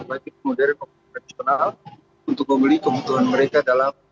baik modern atau profesional untuk membeli kebutuhan mereka dalam